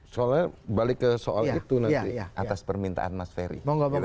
soalnya balik ke soal itu nanti atas permintaan mas ferry